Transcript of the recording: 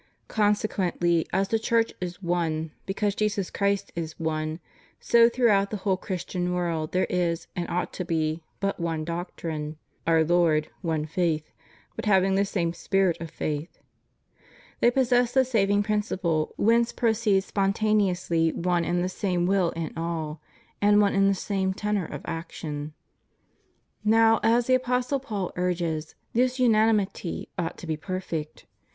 Consequently as the Church is one, because Jesus Christ is one, so throughout the whole Christian world there is, and ought to be, but one doctrine : One Lord, one faith ;^ but having the same spirit of faith,^ they possess the saving prin ciple whence proceed spontaneously one and the same will in all, and one and the same tenor of action. Now, as the Apostle Paul urges, this unanimity ought to be perfect.